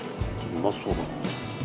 うまそうだな。